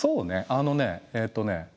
あのねえっとね